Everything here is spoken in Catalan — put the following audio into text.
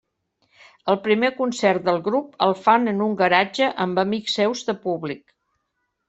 El primer concert del grup el fan en un garatge amb amics seus de públic.